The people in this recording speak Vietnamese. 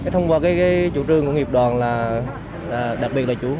thông qua chủ trương của nghiệp đoàn là đặc biệt là chủ